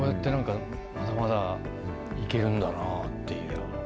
まだまだいけるんだなっていう。